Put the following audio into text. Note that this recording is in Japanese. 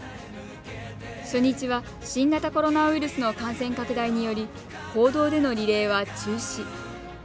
初日は新型コロナウイルスの感染拡大により公道でのリレーは中止。